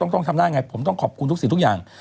ต้องทำได้ไงผมต้องขอบคุณทุกสิ่งทุกอย่าง